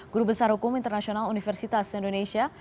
guru besar hukum internasional universitas indonesia